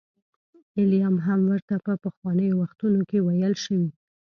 ایلیا هم ورته په پخوانیو وختونو کې ویل شوي.